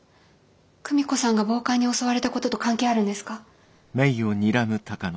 久美子さんが暴漢に襲われたことと関係あるんですか？